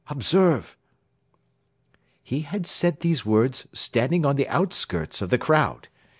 Observe." He had said these words standing on the outskirts of the crowd.